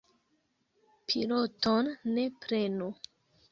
Piloton ne prenu.